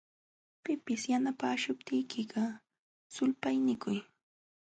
Pipis yanapaśhuptiykiqa, sulpaynikuy.